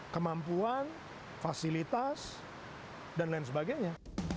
kemampuan fasilitas dan lain sebagainya